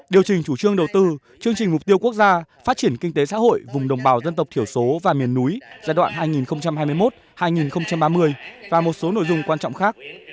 điều trình chủ trương đầu tư chương trình mục tiêu quốc gia phát triển kinh tế xã hội vùng đồng bào dân tộc thiểu số và miền núi giai đoạn hai nghìn hai mươi một hai nghìn ba mươi và một số nội dung quan trọng khác